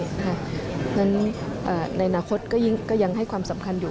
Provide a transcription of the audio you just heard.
เพราะฉะนั้นในอนาคตก็ยังให้ความสำคัญอยู่